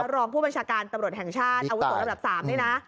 รองผู้บัญชาการตำรวจแห่งชาติอาวุโสระดับ๓นี่นะ